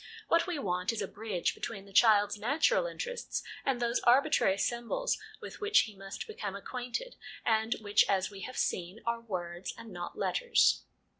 What we want is a bridge between the child's natural interests and those arbitrary symbols with which he must become acquainted, and which, as we have seen, are words, and not letters.